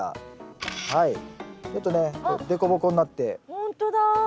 ほんとだ。